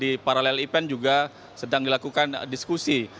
di paralel event juga sedang dilakukan diskusi